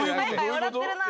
笑ってるな。